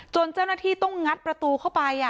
เจ้าหน้าที่ต้องงัดประตูเข้าไป